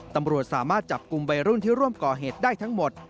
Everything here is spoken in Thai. ตำรวจสามารถจับกลุ่มวัยรุ่นที่ร่วมก่อเหตุได้ทั้งหมด